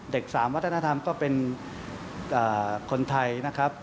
๓วัฒนธรรมก็เป็นคนไทยนะครับ